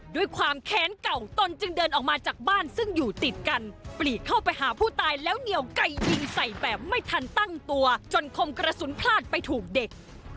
ด้วยความแค้นเก่าตนจึงเดินออกมาจากบ้านซึ่งอยู่ติดกันปลีกเข้าไปหาผู้ตายแล้วเหนียวไก่ยิงใส่แบบไม่ทันตั้งตัวจนคมกระสุนพลาดไปถูกเด็ก